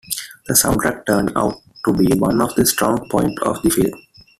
The soundtrack turned out to be one of the strong points of the film.